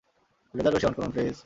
Laser রশ্মি on করুন, please.